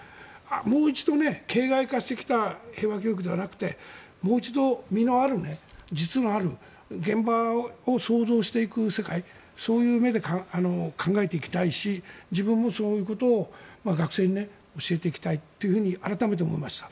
もう一度、形骸化してきた平和教育ではなくてもう一度、実のある現場を想像していく世界そういう目で考えていきたいし自分もそういうことを学生に教えていきたいと改めて思いました。